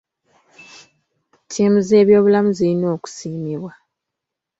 Ttiimu z'ebyobulamu zirina okusiimibwa.